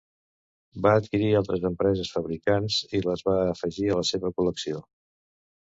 Va adquirir altres empreses fabricants i les va afegir a la seva col·lecció.